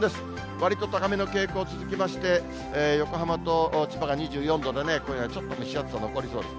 わりと高めの傾向続きまして、横浜と千葉が２４度でね、これがちょっと蒸し暑さ残りそうです。